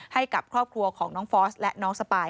ให้กับครอบครัวของน้องฟอสและน้องสปาย